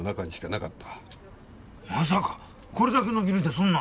まさかこれだけのビルでそんな。